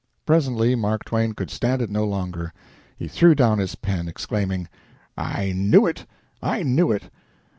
Presently Mark Twain could stand it no longer. He threw down his pen, exclaiming: "I knew it! I knew it!